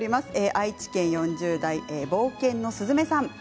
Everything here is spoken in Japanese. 愛知県４０代の方です。